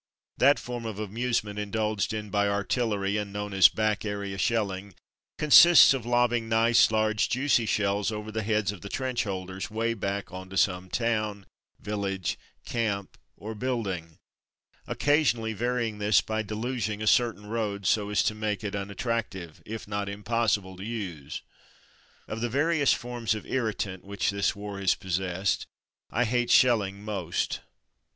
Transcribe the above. That form of amusement indulged in by artillery and known as "back area" shelling consists of lobbing nice, large, juicy shells over the heads of the trench holders, way back on to some town, village, camp, or building; occasionally varying this by deluging a certain road so as to make it unattractive if not impossi ble to use. Of the various forms of irritant Thoughts on Shelling 173 which this war has possessed, I hate sheUing most.